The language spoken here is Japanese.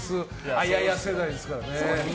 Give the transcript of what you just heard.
あやや世代ですからね。